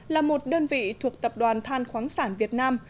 là một đơn vị thuộc tập đoàn than khoáng sản việt nam